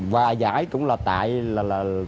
và giải cũng là tại là